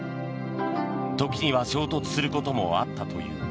時には衝突することもあったという。